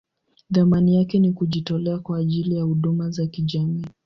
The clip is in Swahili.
Thamani yake ni kujitolea kwa ajili ya huduma za kijamii.